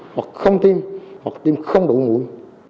hoặc không tiêm hoặc tiêm không đủ mũi